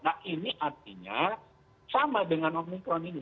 nah ini artinya sama dengan omikron ini